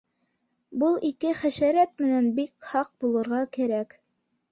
Был ике хәшәрәт менән бик һаҡ булырға кәрәк